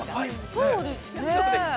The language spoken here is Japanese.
◆そうですね。